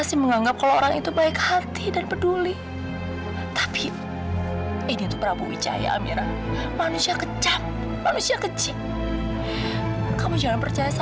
sampai jumpa di video selanjutnya